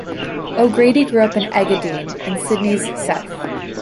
O'Grady grew up in Engadine, in Sydney's south.